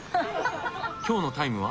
今日のタイムは？